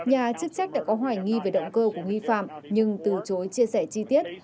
nhà chức trách đã có hoài nghi về động cơ của nghi phạm nhưng từ chối chia sẻ chi tiết